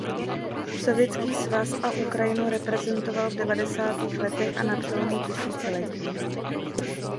Sovětský svaz a Ukrajinu reprezentoval v devadesátých letech a na přelomu tisíciletí.